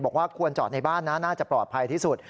บอกว่าควรจอดในบ้านนะน่าจะปลอดภัยที่สุด